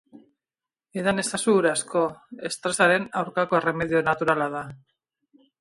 Edan ezazu ur asko, estresaren aurkako erremedio naturala da.